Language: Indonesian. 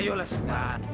ayo lah sekar